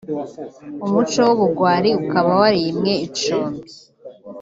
umuco w’ubugwari ukaba warimwe icumbi